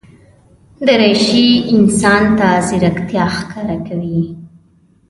دریشي انسان ته ځیرکتیا ښکاره کوي.